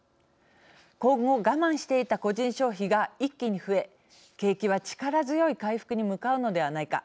今後、我慢していた個人消費が一気に増え景気は、力強い回復に向かうのではないか。